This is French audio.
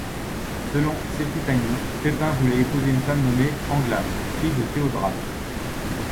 Selon Settipani, Pépin voulait épouser une femme nommée Angla, fille de Theodrade.